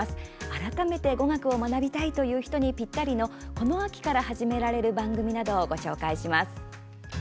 改めて語学を学びたいという人にぴったりのこの秋から始められる番組などをご紹介します。